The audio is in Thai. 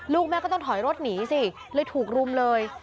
ลูกแม่ก็ต้องถอยรถหนีสิเลยถูกรุมเลย